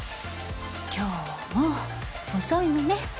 今日も遅いのね。